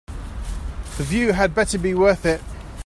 The view had better be worth it.